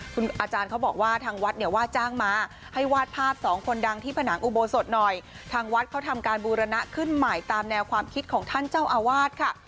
คุณอาจารย์เขาบอกว่าทางวัดเนี่ยว่าจ้างมาให้วาดภาพสองคนดังที่ผนังอุโบสถหน่อยทางวัดเขาทำการบูรณะขึ้นใหม่ตามแนวความคิดของท่านเจ้าอาวาสค่ะ